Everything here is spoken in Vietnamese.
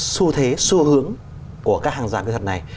xu thế xu hướng của các hàng rào kỹ thuật này